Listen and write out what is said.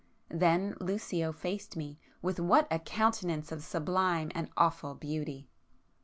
Then Lucio faced me,—with what a countenance of sublime and awful beauty!